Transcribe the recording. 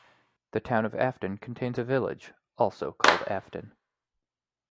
The town of Afton contains a village, also called Afton.